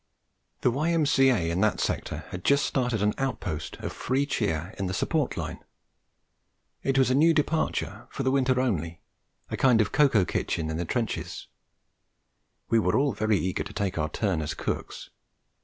The Y.M.C.A. in that sector had just started an outpost of free cheer in the support line. It was a new departure for the winter only, a kind of cocoa kitchen in the trenches, and we were all very eager to take our turn as cooks.